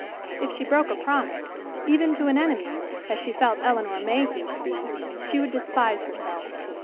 If she broke a promise, even to an enemy, as she felt Elinor Mayhew to be, she would despise herself.